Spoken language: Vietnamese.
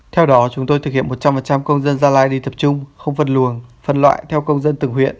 theo đó chúng tôi thực hiện một trăm linh công dân gia lai đi tập trung không phân luồng phân loại theo công dân từng huyện